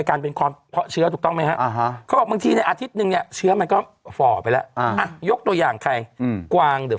หนึ่งนะหนูวงไทเทเนียมอ่ะน้นถนนน้นถนนพี่ขันใช่ไหมเฝ้าระวังอยู่